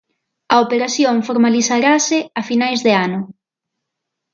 A operación formalizarase a finais de ano.